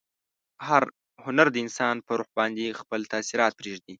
هنر د انسانانو په روح باندې خپل تاثیر پریږدي.